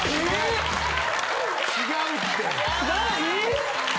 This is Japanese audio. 違うって。